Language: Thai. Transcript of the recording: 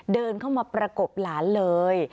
เดินเข้ามาประกบหลานเลย